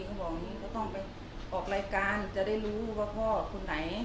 เค้าก็บอกกว่าต้องไปออกรายการจะได้รู้ว่าพ่อคนไหน